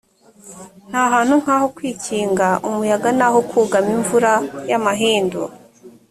nta hantu nk aho kwikinga umuyaga naho kugama imvura y amahindu